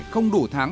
không đủ tháng